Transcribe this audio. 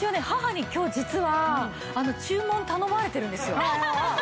母に今日実は注文頼まれてるんですよ。